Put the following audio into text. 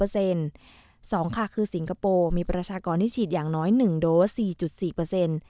สองค่ะคือสิงคโปร์มีประชากรที่ฉีดอย่างน้อย๑โดส๔๔